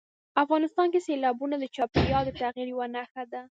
افغانستان کې سیلابونه د چاپېریال د تغیر یوه نښه ده.